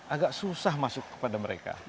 agak susah masuk kepada mereka